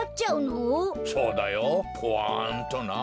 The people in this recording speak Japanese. そうだよポワンとな。